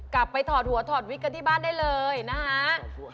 กลับไปถอดหัวถอดวิทย์กันที่บ้านได้เลยนะฮะ